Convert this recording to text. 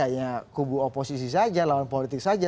ya kubu oposisi saja lawan politik saja